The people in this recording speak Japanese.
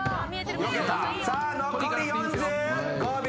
さあ残り４５秒。